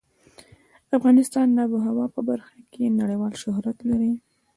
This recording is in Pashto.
افغانستان د آب وهوا په برخه کې نړیوال شهرت لري.